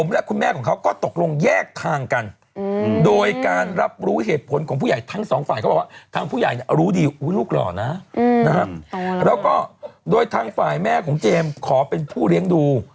แล้วก็โดยทางฝ่ายแม่ของเจมส์ขอเป็นผู้เลี้ยงดู